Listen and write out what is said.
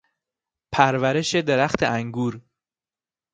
پرورش درخت انگور